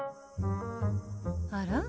あら？